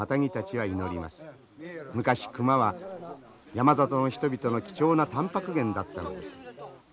昔熊は山里の人々の貴重なたんぱく源だったのです。